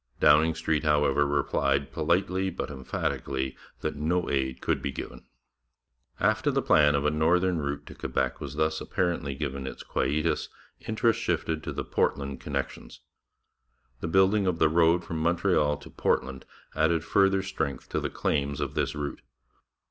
Downing Street, however, replied politely but emphatically that no aid could be given. After the plan of a northern route to Quebec was thus apparently given its quietus, interest shifted to the Portland connections. The building of the road from Montreal to Portland added further strength to the claims of this route.